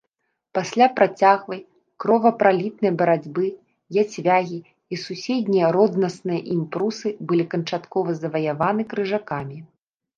Пасля працяглай кровапралітнай барацьбы яцвягі і суседнія роднасныя ім прусы былі канчаткова заваяваны крыжакамі.